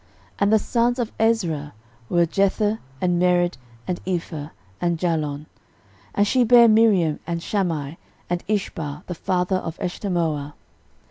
13:004:017 And the sons of Ezra were, Jether, and Mered, and Epher, and Jalon: and she bare Miriam, and Shammai, and Ishbah the father of Eshtemoa.